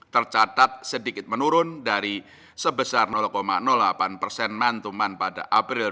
tercatat sedikit menurun dari sebesar delapan persen mantuman pada april dua ribu dua puluh